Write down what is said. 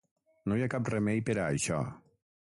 No hi ha cap remei per a això.